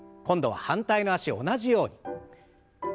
今度は反対の脚を同じように。